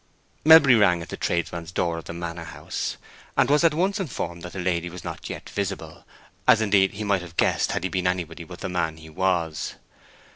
Melbury rang at the tradesmen's door of the manor house, and was at once informed that the lady was not yet visible, as indeed he might have guessed had he been anybody but the man he was.